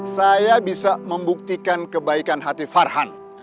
saya bisa membuktikan kebaikan hati farhan